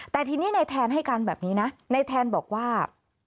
แต่ทีนี้ในแทนให้การแบบนี้นะในแทนบอกว่า